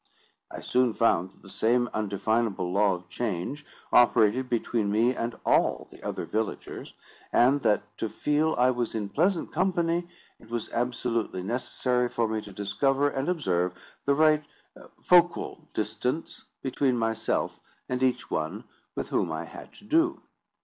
I soon found that the same undefinable law of change operated between me and all the other villagers; and that, to feel I was in pleasant company, it was absolutely necessary for me to discover and observe the right focal distance between myself and each one with whom I had to do.